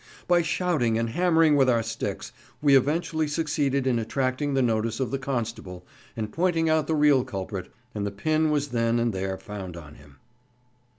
By shouting and hammering with our sticks, we eventually succeeded in attracting the notice of the constable, and pointed out the real culprit, and the pin was then and there found on him.